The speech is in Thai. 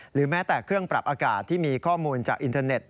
หรือแม้แต่เครื่องปรับอากาศที่มีข้อมูลจากอินเทอร์เน็ต